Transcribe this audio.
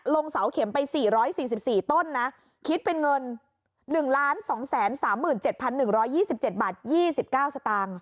ลงเสาเข็มไปสี่ร้อยสี่สิบสี่ต้นนะคิดเป็นเงินหนึ่งล้านสองแสนสามหมื่นเจ็ดพันหนึ่งร้อยยี่สิบเจ็ดบาทยี่สิบเก้าสตางค์